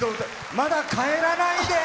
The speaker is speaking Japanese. まだ帰らないで！